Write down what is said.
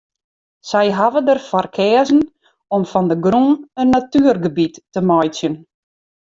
Sy hawwe der foar keazen om fan de grûn in natuergebiet te meitsjen.